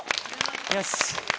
よし。